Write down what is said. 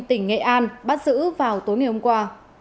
tỉnh nghệ an bắt giữ vào tối ngày hôm qua